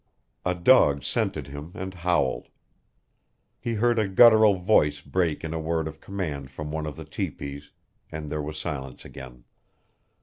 A dog scented him and howled. He heard a guttural voice break in a word of command from one of the tepees, and there was silence again.